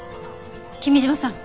君嶋さん